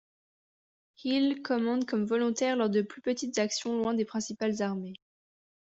Hill commande comme volontaire lors de plus petites actions loin des principales armées.